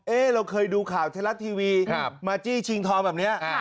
เอ๊ะเราเคยดูข่าวเทลักทีวีมาจี้ชิงทองแบบเนี้ยค่ะ